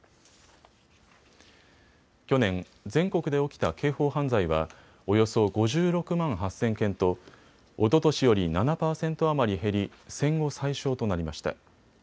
去年、全国で起きた刑法犯罪はおよそ５６万８０００件とおととしより７％余り減り戦後最少となりました。